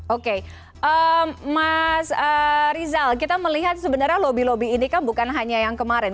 oke mas rizal kita melihat sebenarnya lobby lobby ini kan bukan hanya yang kemarin